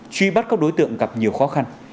truy bắt các đối tượng gặp nhiều khó khăn